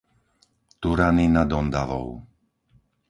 Turany nad Ondavou